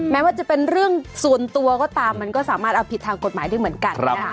แม้ว่าจะเป็นเรื่องส่วนตัวก็ตามมันก็สามารถเอาผิดทางกฎหมายได้เหมือนกันนะคะ